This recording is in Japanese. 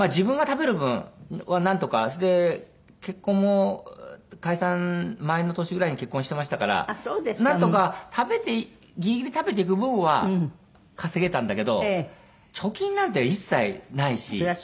それで結婚も解散前の年ぐらいに結婚してましたからなんとかギリギリ食べていく分は稼げたんだけど貯金なんて一切ないし。